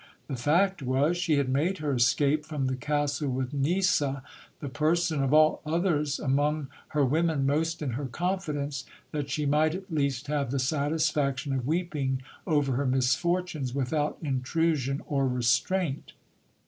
The fact was, she had made her escape from the castle with Nisa, the person of all others among her women most in her confidence, that she might at least have the satisfaction of weeping over her misfortunes without intrusion or restraint.